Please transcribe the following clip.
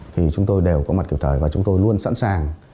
thì chúng tôi đều có mặt kiểm soát và chúng tôi luôn sẵn sàng